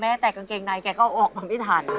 แต่กางเกงในแกก็ออกมาไม่ทัน